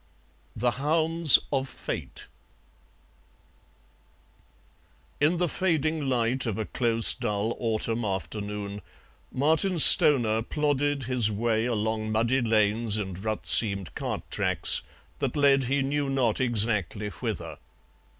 THE HOUNDS OF FATE In the fading light of a close dull autumn afternoon Martin Stoner plodded his way along muddy lanes and rut seamed cart tracks that led he knew not exactly whither.